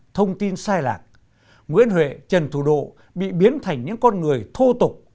thông tin sai lạc nguyễn huệ trần thủ độ bị biến thành những con người thô tục